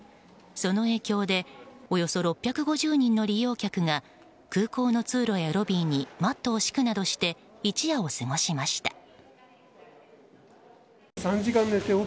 その影響でおよそ６５０人の利用客が空港の通路やロビーにマットを敷くなどして一夜を過ごしました。